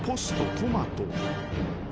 トマト。